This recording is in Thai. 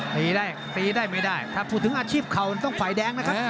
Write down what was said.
ตีแรกตีได้ไม่ได้ถ้าพูดถึงอาชีพเข่ามันต้องฝ่ายแดงนะครับ